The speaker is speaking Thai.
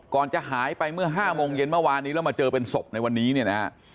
ก่อนจะหายไปเมื่อ๕โมงเย็นเมื่อวานนี้แล้วมาเจอเป็นศพในวันนี้เนี่ยนะฮะ